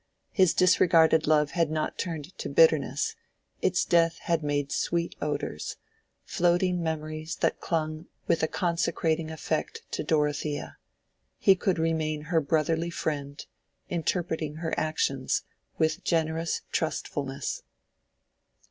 his disregarded love had not turned to bitterness; its death had made sweet odors—floating memories that clung with a consecrating effect to Dorothea. He could remain her brotherly friend, interpreting her actions with generous trustfulness.